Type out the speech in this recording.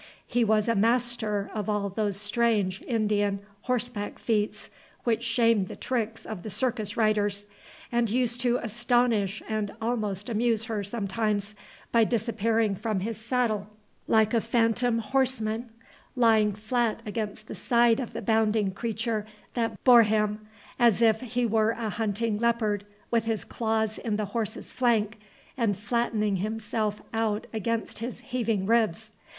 He was a master of all those strange Indian horseback feats which shame the tricks of the circus riders, and used to astonish and almost amuse her sometimes by disappearing from his saddle, like a phantom horseman lying flat against the side of the bounding creature that bore him, as if he were a hunting leopard with his claws in the horse's flank and flattening himself out against his heaving ribs.